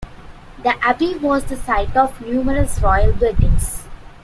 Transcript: The abbey was the site of numerous royal weddings.